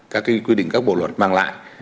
các quy định các bộ luật mang lại